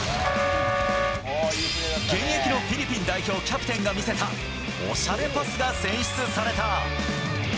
現役のフィリピン代表キャプテンが見せたおしゃれパスが選出された。